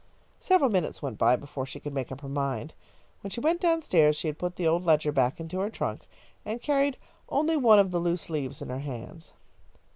Several minutes went by before she could make up her mind. When she went down stairs she had put the old ledger back into her trunk and carried only one of the loose leaves in her hands.